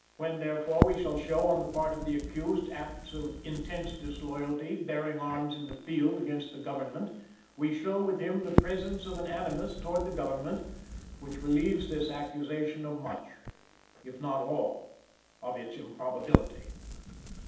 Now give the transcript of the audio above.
"When, therefore, we shall show, on the part of the accused, acts of intense disloyalty, bearing arms in the field against the Government, we show with him the presence of an animus towards the Government which relieves this accusation of much, if not all, of its improbability."